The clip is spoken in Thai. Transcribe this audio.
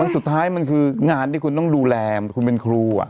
สุดท้ายมันคืองานที่คุณต้องดูแลคุณเป็นครู